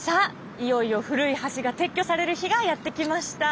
いよいよ古い橋が撤去される日がやって来ました。